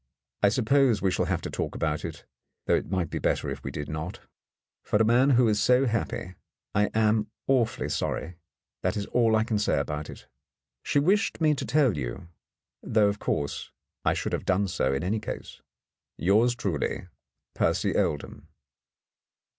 I suppose we shall have to talk about it, though it might be better if we did not. For a man who is so happy, I am awfully sorry; that is all I can say about it. She wished me to tell you, though, of course, I should have done so in any case. — Yours truly, "Percy Oldham."